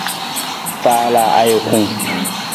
Faala ajuku.